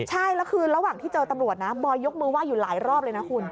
ใช่แล้วคือระหว่างที่เจอตำรวจนะบอยยกมือไห้อยู่หลายรอบเลยนะคุณ